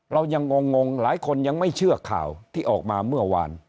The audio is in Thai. เรายังงงหลายคนยังไม่เชื่อข่าวที่ออกมาเมื่อวาน